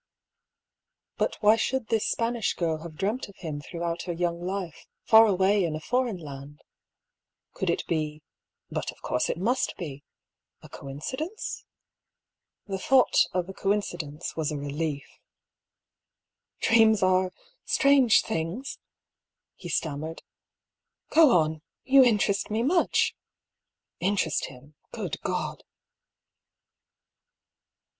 But why should this Spanish girl have dreamt of him throughout her young life, far away in a foreign land ? Could it be — but of course it must be — a coincidence ? The thought of a coincidence was a relief, " Dreams are strange things," he stammered, " Go on, you interest me much I " (Interest him— good God!)